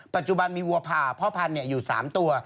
ปัจจุบันมีวัวผ่าพ่อพันธุ์อยู่๓ตัว